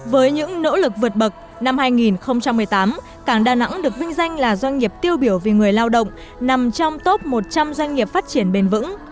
với những nỗ lực vượt bậc năm hai nghìn một mươi tám cảng đà nẵng được vinh danh là doanh nghiệp tiêu biểu vì người lao động nằm trong top một trăm linh doanh nghiệp phát triển bền vững